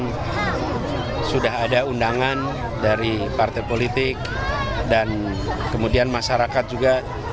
dan sudah ada undangan dari partai politik dan kemudian masyarakat juga